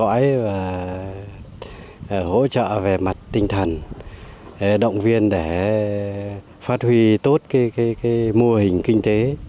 hội hỗ trợ về mặt tinh thần động viên để phát huy tốt mô hình kinh tế